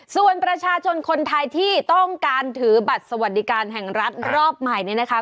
ส่วนประชาชนคนไทยที่ต้องการถือบัตรสวัสดิการแห่งรัฐรอบใหม่เนี่ยนะคะ